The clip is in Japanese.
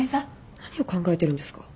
何を考えてるんですか？